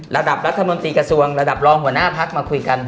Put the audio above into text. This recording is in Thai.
ระดับรัฐมนตรีกระทรวงระดับรองหัวหน้าพักมาคุยกัน